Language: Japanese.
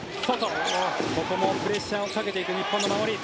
ここもプレッシャーをかけていく日本の守り。